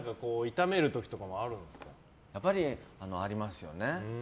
やっぱりありますよね。